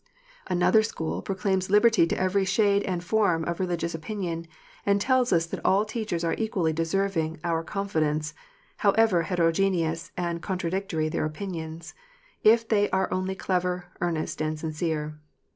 Another school proclaims liberty to every shade and form of religious opinion, and tells us that all teachers are equally deserving our confid ence, however heterogeneous and contradictory their opinions, if they are only clever, earnest, and sincere.